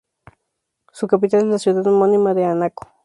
Su capital es la ciudad homónima de Anaco.